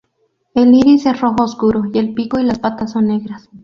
El iris es rojo oscuro, y el pico y las patas son negras.